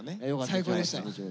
最高でした。